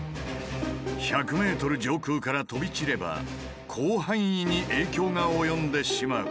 １００ｍ上空から飛び散れば広範囲に影響が及んでしまう。